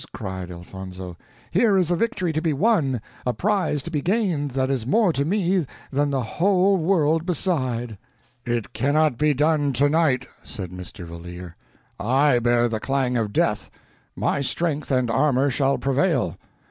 cried Elfonzo; "here is a victory to be won, a prize to be gained that is more to me that the whole world beside." "It cannot be done tonight," said Mr. Valeer. "I bear the clang of death; my strength and armor shall prevail.